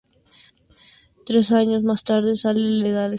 Tres años más tarde, sale de la escuela para ciegos para ser músico profesional.